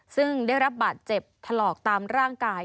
ซึ่งได้รับบาดเจ็บถลอกตามร่างกาย